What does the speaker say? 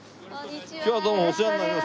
今日はどうもお世話になります。